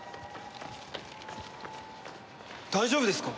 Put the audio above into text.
大丈夫ですか！？